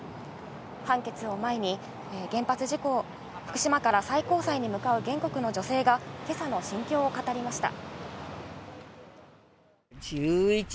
判決を前に福島から最高裁に向かう原告の女性が今朝の心境を語りました。